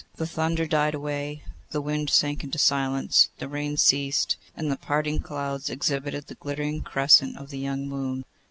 The thunder died away, the wind sank into silence, the rain ceased, and the parting clouds exhibited the glittering crescent of the young moon.